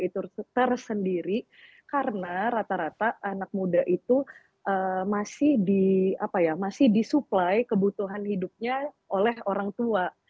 itu tersendiri karena rata rata anak muda itu masih disuplai kebutuhan hidupnya oleh orang tua